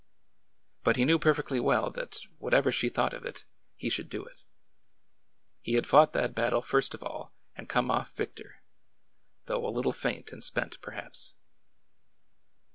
But he knew perfectly well that, whatever she thought of it, he should do it. He had fought that battle first of all, and come off victor— though a little faint and spent, perhaps.